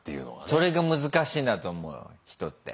それが難しいなと思う人って。